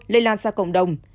lây lan ra cộng đồng